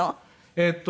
えっと